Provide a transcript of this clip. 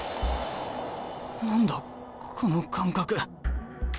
何だこの感覚。